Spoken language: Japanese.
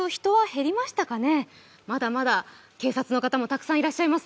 まだまだ警察の方もたくさんいらっしゃいます。